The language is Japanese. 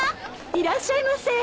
いらっしゃいませ。